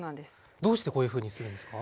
どうしてこういうふうにするんですか？